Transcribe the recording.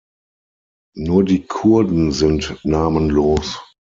Nur die Kurden sind namenlos.